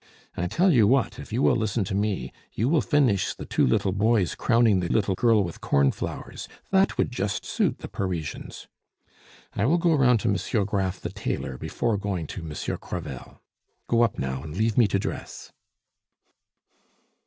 I tell you what, if you will listen to me, you will finish the two little boys crowning the little girl with cornflowers; that would just suit the Parisians. I will go round to Monsieur Graff the tailor before going to Monsieur Crevel. Go up now and leave me to dress."